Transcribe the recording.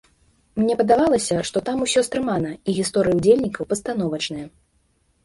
Мне падавалася, што там усё стрымана і гісторыі ўдзельнікаў пастановачныя.